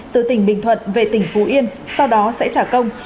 từ tỉnh bình thuận về tỉnh phú yên sau đó sẽ trả công